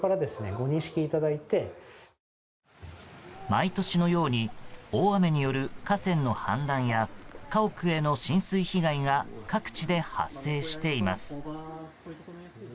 毎年のように、大雨による河川の氾濫や家屋への浸水被害が各地で発生しています。